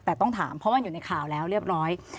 แต่ต้องถามเพราะมันอยู่ในข่าวแล้วเรียบร้อย